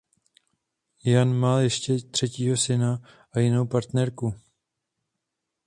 Ian má ještě třetího syna s jinou partnerkou.